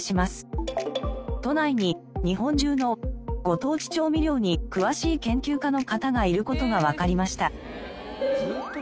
都内に日本中のご当地調味料に詳しい研究家の方がいる事がわかりました。